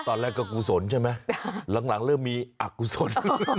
ตอนแรกก็กุศลใช่ไหมหลังเริ่มมีอักกุศล